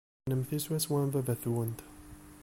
Kennemti swaswa am baba-twent.